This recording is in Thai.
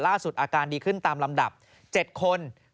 ล่าสุดอาการดีขึ้นตามลำดับ๗คน